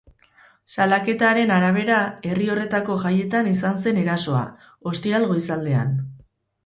Salaketaren arabera, herri horretako jaietan izan zen erasoa, ostiral goizaldean.